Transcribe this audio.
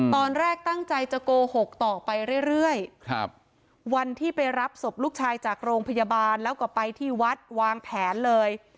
ตอนแรกตั้งใจจะโกหกต่อไปเรื่อยวันที่ไปรับศพลูกชายจากโรงพยาบาลแล้วก็ไปที่วัดวางแผนเลย